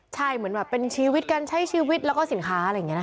ใช่เหมือนแบบเป็นชีวิตการใช้ชีวิตแล้วก็สินค้าอะไรอย่างนี้นะคะ